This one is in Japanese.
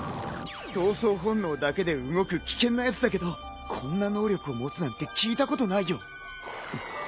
闘争本能だけで動く危険なやつだけどこんな能力を持つなんて聞いたことないよ。